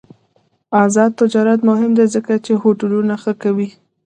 آزاد تجارت مهم دی ځکه چې هوټلونه ښه کوي.